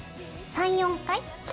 ３４回。